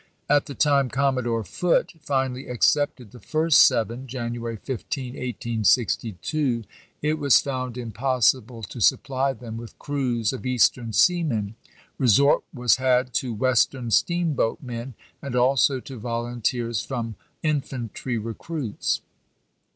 At the time Commodore Meiss^ Jan 15 Foote finally accepted the first seven (January 15, 1862. w.'r. .\^ 7 y^j VIII., 1862), it was found impossible to supply them with pp 504, 505. crews of Eastern seamen. Resort was had to Western steamboatmen, and also to volunteers from infantry recruits.